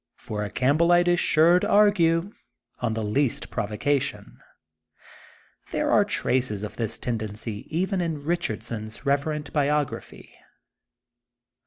For a Campbellite'^ is sure to argue, on the least provocation. There are traces of this tendency even in Bichard son's reverent biography.